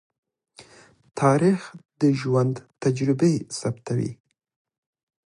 تاریخ د ژوند تجربې ثبتوي.